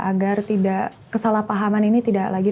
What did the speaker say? agar tidak kesalahpahaman ini tidak lagi